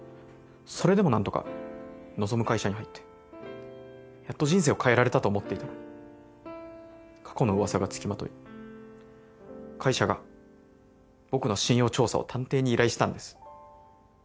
それでも何とか望む会社に入ってやっと人生を変えられたと思っていたのに過去の噂が付きまとい会社が僕の信用調査を探偵に依頼したんです。